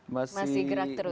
masih gerak terus